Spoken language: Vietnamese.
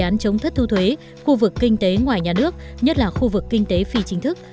đề án chống thất thu thuế khu vực kinh tế ngoài nhà nước nhất là khu vực kinh tế phi chính thức